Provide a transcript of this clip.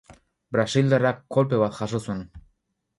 Brasildarrak kolpe bat jaso zuen.